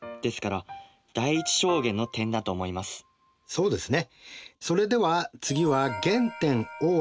そうですね。